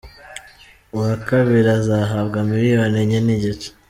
Uwa kabiri azahabwa miliyoni enye n’igice .